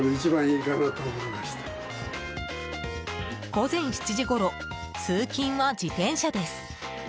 午前７時ごろ通勤は自転車です。